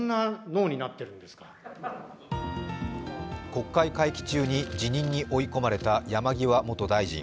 国会会期中に辞任に追い込まれた山際元大臣。